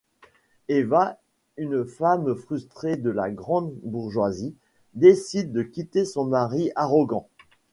Eva, une femme frustrée de la grande bourgeoisie, décide de quitter son mari arrogant.